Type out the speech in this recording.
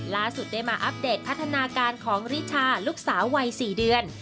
ล่าสุดได้มาอัปเดตพัฒนาการของริชาลูกสาววัย๔เดือน